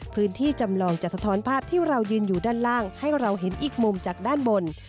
จำลองจะสะท้อนภาพที่เรายืนอยู่ด้านล่างให้เราเห็นอีกมุมจากด้านบน